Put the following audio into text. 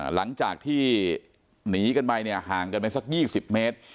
หลังจากที่หนีกันไปเนี่ยห่างกันไปสัก๒๐เมตร